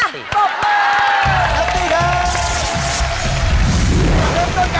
อ้าวกลับมา